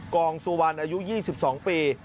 กองสุวรรณอายุ๒๒ปี